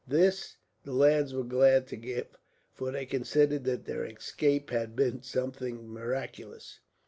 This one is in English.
This the lads were glad to give, for they considered that their escape had been something miraculous.